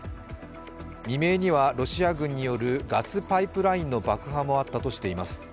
未明にはロシア軍によるガスパイプラインの爆破もあったとしています。